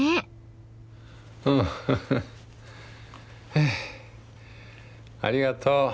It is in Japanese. はぁありがとう。